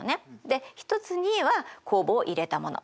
で一つには酵母を入れたもの